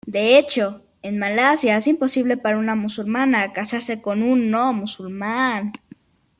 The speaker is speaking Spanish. De hecho, en Malasia es imposible para una musulmana casarse con un no musulmán.